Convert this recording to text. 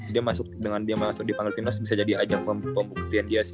dia masuk dengan dia masuk dipanggil timnas bisa jadi ajang pembuktian dia sih